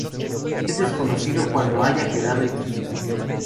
Es desconocido cuándo haya quedado extinto.